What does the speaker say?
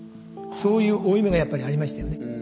そういう負い目がやっぱりありましたよね。